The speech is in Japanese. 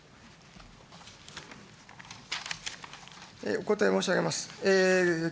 お答え申し上げます。